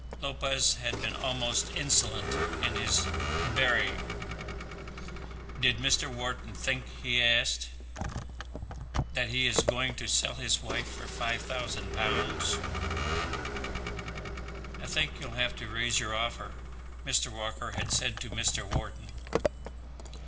Lopez had been almost insolent in his bearing. "Did Mr. Wharton think," he asked, "that he was going to sell his wife for £5000?" "I think you'll have to raise your offer," Mr. Walker had said to Mr. Wharton.